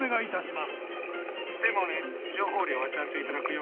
でもね情報料はちゃんと頂くよ。